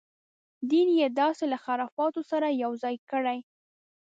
دین یې داسې له خرافاتو سره یو ځای کړی.